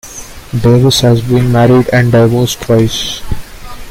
Davis has been married and divorced twice.